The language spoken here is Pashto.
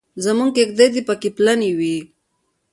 زموږ کېږدۍ دې پکې پلنې وي.